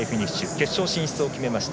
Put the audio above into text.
決勝進出を決めました。